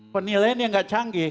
penilaiannya gak canggih